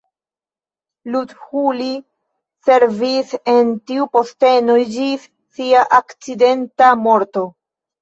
Luthuli servis en tiu posteno ĝis sia akcidenta morto.